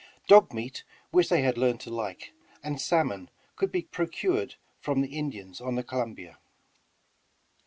Dog meat, which they had learned to like, and salmon could be procured from the Indians on the Columbia.